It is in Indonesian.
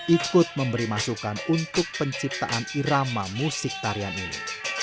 ikut memberi masukan untuk penciptaan irama musik tarian ini